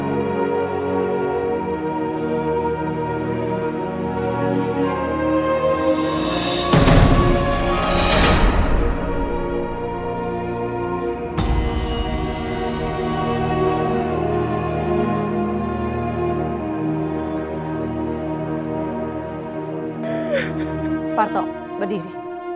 tuhan maafkan ibu